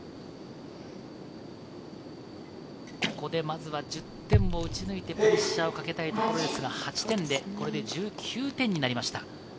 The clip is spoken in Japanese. ここでまずは１０点を撃ち抜いてプレッシャーをかけたいところですが、８点で、これで１９点になりました。